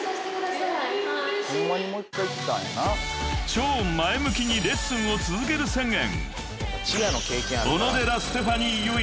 ［超前向きにレッスンを続ける宣言］